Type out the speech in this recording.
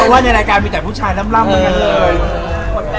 เพราะว่าในรายการมีแต่ผู้ชายล่ำเหมือนกันเลย